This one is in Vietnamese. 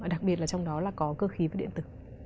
đặc biệt là trong đó là có cơ khí và điện tử